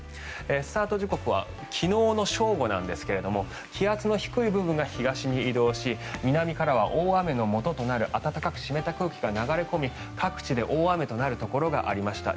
スタート時刻は昨日の正午ですが気圧の低い部分が東に移動し南からは大雨のもととなる暖かく湿った空気が流れ込み各地で大雨となるところがありました。